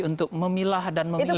untuk memilah dan memilih